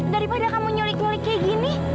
daripada kamu nyulik nyulik kayak gini